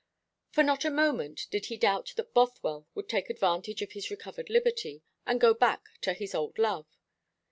For not a moment did he doubt that Bothwell would take advantage of his recovered liberty, and go back to his old love.